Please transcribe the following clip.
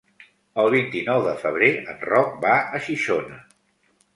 El vint-i-nou de febrer en Roc va a Xixona.